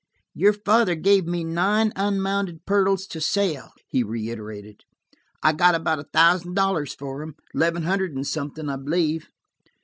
"Your father gave me nine unmounted pearls to sell," he reiterated. "I got about a thousand dollars for them–eleven hundred and something, I believe."